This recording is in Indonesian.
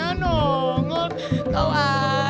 kau nggak tahu sih